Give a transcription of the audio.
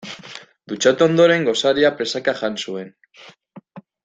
Dutxatu ondoren gosaria presaka jan zuen.